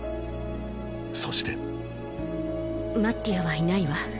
そしてマッティアはいないわ。